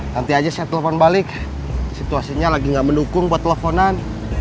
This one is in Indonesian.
nanti aja saya telepon balik situasinya lagi nggak mendukung buat teleponan